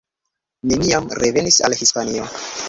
Neniam revenis al Hispanio.